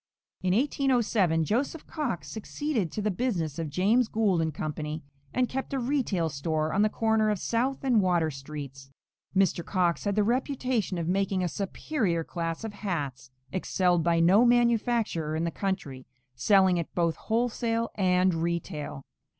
In 1807 Joseph Cox succeeded to the business of James Gould & Co., and kept a retail store on the corner of South and Water streets. Mr. Cox had the reputation of making a superior class of hats, excelled by no manufacturer in the country, selling at both wholesale and retail.